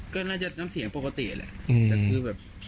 ก็น่าจะน้ำเสียงปกติแหละแต่คือแบบ